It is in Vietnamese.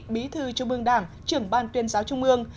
bí thư trung mương đảng trưởng ban tuyên giáo trung mương